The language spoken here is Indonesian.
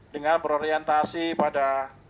dengan berorientasi pada